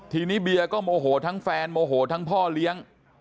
ทีนี้เบียร์ก็โมโหทั้งแฟนโมโหทั้งพ่อเลี้ยง